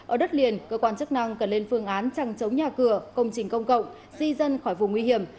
ở đất liền cơ quan chức năng cần lên phương án chẳng chống nhà cửa công trình công cộng di dân khỏi vùng nguy hiểm